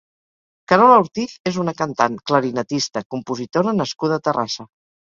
Carola Ortiz és una cantant, clarinetista, compositora nascuda a Terrassa.